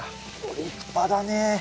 立派だね。